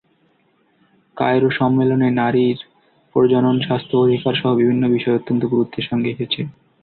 Cairo সম্মেলনে নারীর প্রজননস্বাস্থ্য অধিকারসহ বিভিন্ন বিষয় অত্যন্ত গুরুত্বের সঙ্গে এসেছে।